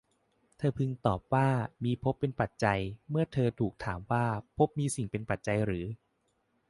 เธอพึงตอบว่า มีภพเป็นปัจจัย เมื่อเธอถูกถามว่า ภพมีสิ่งเป็นปัจจัยหรือ